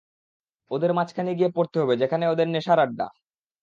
ওদের মাঝখানে গিয়ে পড়তে হবে, যেখানে ওদের নেশার আড্ডা।